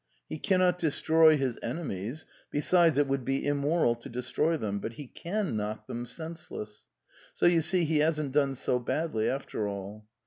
He cannot destroy his enemies (besides, it would be immoral to de stroy them) but he can knock them senseless. So, you see, he hasn't done so badly after all.